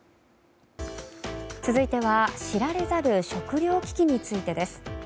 続いては、知られざる食料危機についてです。